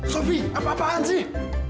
sofi apa apaan sih